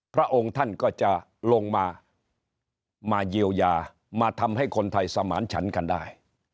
พระองค์ท่านก็จะลงมามาเยียวยามาทำให้คนไทยสมานฉันกันได้